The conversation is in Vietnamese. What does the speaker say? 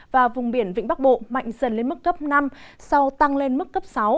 và vùng biển vĩnh bắc bộ mạnh dần lên mức cấp năm sau tăng lên mức cấp sáu